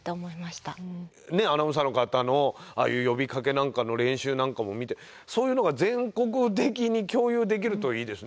アナウンサーの方のああいう呼びかけなんかの練習なんかも見てそういうのが全国的に共有できるといいですね。